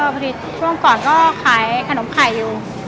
พอดีช่วงก่อนก็ขายขนมไข่อยู่